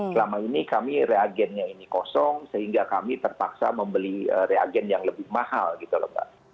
selama ini kami reagennya ini kosong sehingga kami terpaksa membeli reagen yang lebih mahal gitu loh mbak